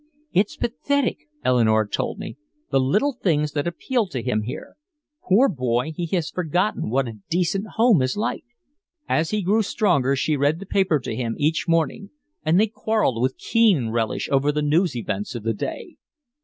"It's pathetic," Eleanore told me, "the little things that appeal to him here. Poor boy, he has forgotten what a decent home is like." As he grew stronger she read the paper to him each morning, and they quarreled with keen relish over the news events of the day.